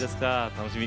楽しみ。